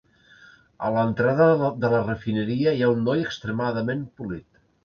A l'entrada de la refineria hi ha un noi extremadament polit.